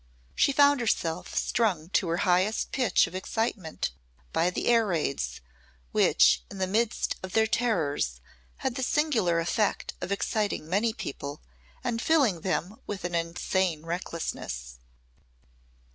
She found herself strung to her highest pitch of excitement by the air raids, which in the midst of their terrors had the singular effect of exciting many people and filling them with an insane recklessness.